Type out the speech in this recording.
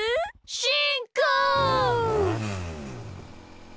しんこう！